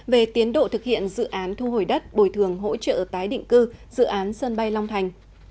về tiến độ thực hiện dự án thu hồi đất bồi thường hỗ trợ tái định cư dự án sân bay long thành